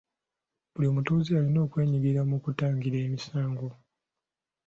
Buli mutuuze alina okwenyigira mu kutangira emisango.